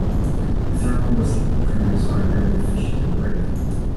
Thermal Receipt Printers are very efficient and quick.